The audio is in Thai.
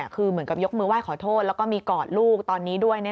คือเหมือนกับยกมือไห้ขอโทษแล้วก็มีกอดลูกตอนนี้ด้วย